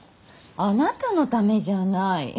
あなたのためじゃない。